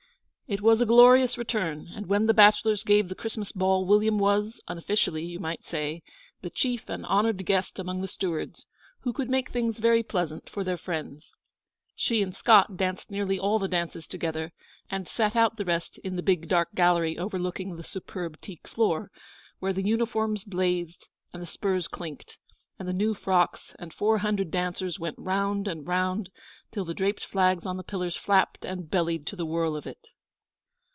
It was a glorious return, and when the bachelors gave the Christmas ball, William was, unofficially, you might say, the chief and honoured guest among the stewards, who could make things very pleasant for their friends. She and Scott danced nearly all the dances together, and sat out the rest in the big dark gallery overlooking the superb teak floor, where the uniforms blazed, and the spurs clinked, and the new frocks and four hundred dancers went round and round till the draped flags on the pillars flapped and bellied to the whirl of it.